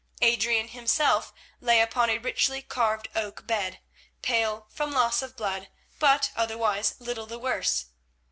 Adrian himself lay upon a richly carved oak bed, pale from loss of blood, but otherwise little the worse.